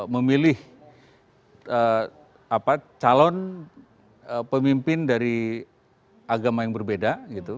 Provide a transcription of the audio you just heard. memilih calon pemimpin dari agama yang berbeda